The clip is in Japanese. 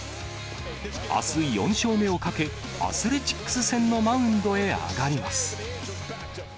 あす４勝目をかけ、アスレチックス戦のマウンドへ上がります。